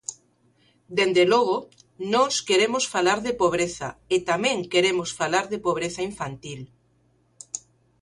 Dende logo, nós queremos falar de pobreza e tamén queremos falar de pobreza infantil.